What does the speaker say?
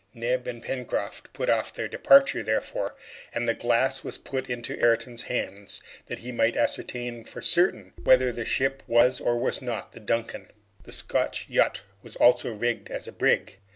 Neb and Pencroft put off their departure, therefore, and the glass was put into Ayrton's hands, that he might ascertain for certain whether the ship was or was not the "Duncan." The Scotch yacht was also rigged as a brig.